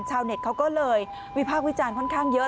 ชาวเน็ตเขาก็เลยวิพากษ์วิจารณ์ค่อนข้างเยอะ